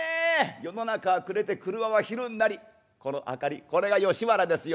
世の中は暮れて廓は昼になりこの明かりこれが吉原ですよ。